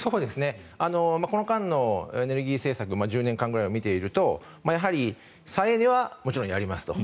この間のエネルギー政策１０年間ぐらいを見ているとやはり再エネはもちろんやりますと。